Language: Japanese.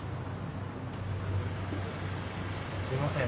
すみません。